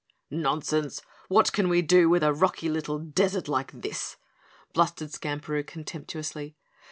"Nonsense! What can we do with a rocky little desert like this?" blustered Skamperoo contemptuously.